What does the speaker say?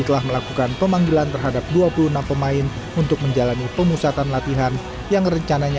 telah melakukan pemanggilan terhadap dua puluh enam pemain untuk menjalani pemusatan latihan yang rencananya